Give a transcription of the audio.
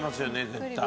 絶対。